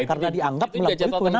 karena dianggap melampaui kewenangan